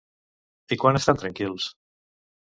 I quan estan tranquils?